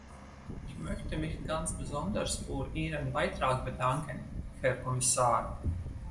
Ich möchte mich ganz besonders für Ihren Beitrag bedanken, Herr Kommissar!